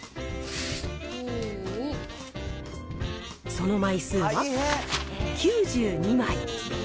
その枚数は、９２枚。